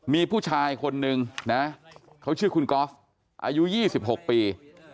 มีผู้ชายคนนึงนะเขาชื่อคุณกอล์ฟอายุ๒๖ปี